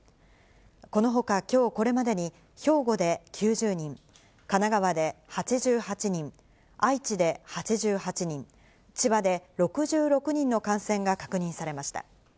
このほか、きょうこれまでに兵庫で９０人、神奈川で８８人、愛知で８８人、千葉で６６人の感染が確認されました。